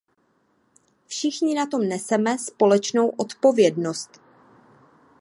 Všichni na tom neseme společnou odpovědnost.